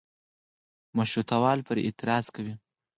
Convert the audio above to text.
مشروطه وال پرې اعتراض کوي.